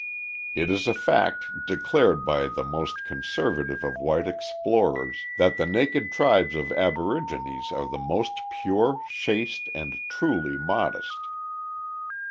It is a fact declared by the most conservative of white explorers, that the naked tribes of aborigines are the most pure, chaste, and truly modest.